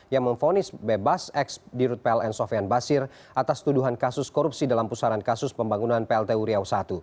yang memfonis bebas eks dirut pel n sofian basir atas tuduhan kasus korupsi dalam pusaran kasus pembangunan plt uriaw i